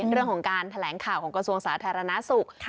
เรื่องของการแถลงข่าวของกระทรวงสาธารณสุข